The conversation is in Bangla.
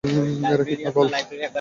এরা কি পাগল?